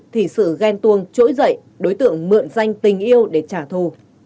thì sự ghen tuông trỗi dậy đối tượng mượn danh tình yêu để trả thù